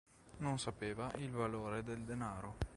Non sapeva il valore del denaro.